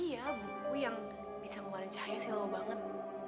iya buku yang bisa mengeluarkan cahaya silau banget